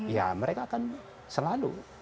ya mereka akan selalu